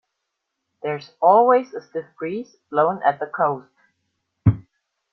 There's always a stiff breeze blowing at the coast.